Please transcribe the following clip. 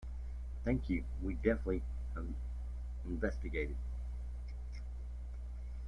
Thank you. Will definitely investigate.